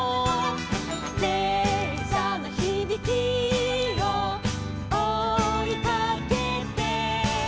「れっしゃのひびきをおいかけて」